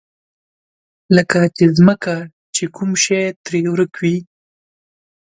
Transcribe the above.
لکه په ځمکه چې کوم شی ترې ورک وي.